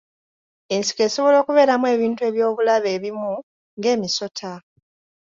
Ensiko esobola okubeeramu ebintu eby'obulabe ebimu ng'emisota.